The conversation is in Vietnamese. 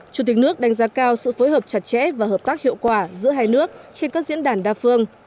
chủ tịch nước đánh giá cao sự phối hợp chặt chẽ và hợp tác hiệu quả giữa hai nước trên các diễn đàn đa phương